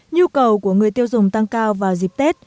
nhu cầu của người tiêu dùng tăng cao vào dịp tết